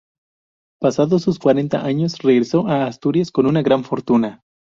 Pasados sus cuarenta años regresó a Asturias con una gran fortuna.